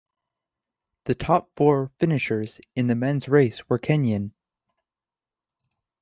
The top four finishers in the men's race were Kenyan.